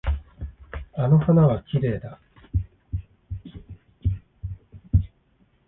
あの花はきれいだ。